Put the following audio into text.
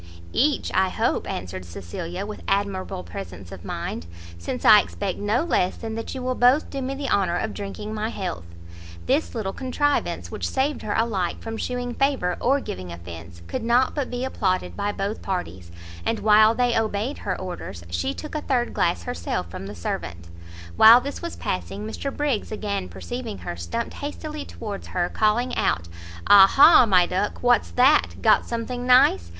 "Each, I hope," answered Cecilia, with admirable presence of mind, "since I expect no less than that you will both do me the honour of drinking my health." This little contrivance, which saved her alike from shewing favour or giving offence, could not but be applauded by both parties; and while they obeyed her orders, she took a third glass herself from the servant. While this was passing, Mr Briggs, again perceiving her, stumpt hastily towards her, calling out "Ah ha! my duck! what's that? got something nice?